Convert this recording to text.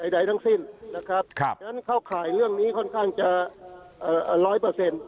ใดทั้งสิ้นนะครับฉะนั้นเข้าข่ายเรื่องนี้ค่อนข้างจะร้อยเปอร์เซ็นต์